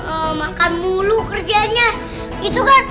apakah arasi anda ada